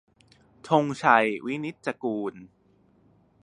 - ธงชัย วินิจจะกูล